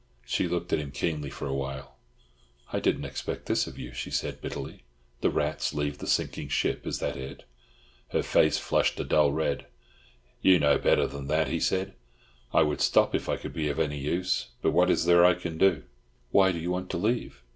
She looked at him keenly for a while. "I didn't expect this of you," she said, bitterly. "The rats leave the sinking ship. Is that it?" His face flushed a dull red. "You know better than that," he said. "I would stop if I could be of any use, but what is there I can do?" "Why do you want to leave?"